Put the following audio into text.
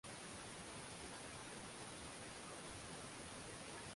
viktoria kuna tambarare zenye mafuriko makubwa sana